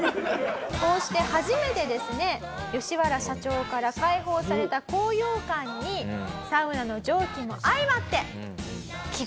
こうして初めてですねヨシワラ社長から解放された高揚感にサウナの蒸気も相まって。